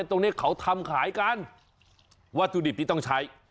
ตรงนี้เขาทำขายกันวัตถุดิบที่ต้องใช้